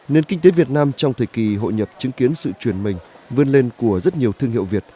nền kinh tế việt nam trong thời kỳ hội nhập chứng kiến sự chuyển mình vươn lên của rất nhiều thương hiệu việt